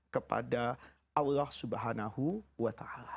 kepada allah swt